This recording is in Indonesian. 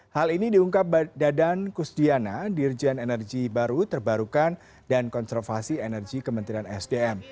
hal ini diungkap dadan kusdiana dirjen energi baru terbarukan dan konservasi energi kementerian sdm